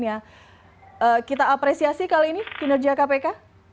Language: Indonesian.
ya kita apresiasi kali ini kinerja kpk